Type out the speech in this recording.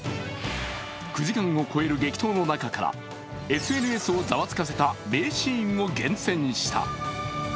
９時間を超える激闘の中からＳＮＳをざわつかせた名シーンを厳選した。